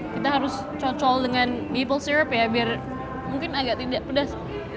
kita harus cocok dengan beople sirp ya biar mungkin agak tidak pedas